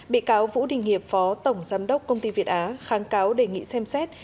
bị cáo vũ đình hiệp phó tổng giám đốc công ty việt á kháng cáo đề nghị xem xét